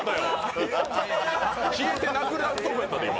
消えてなくなるとこやったで、今。